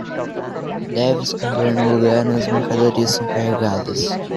Deve esconder no lugar onde as mercadorias são carregadas